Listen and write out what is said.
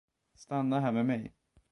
Stanna här med mig.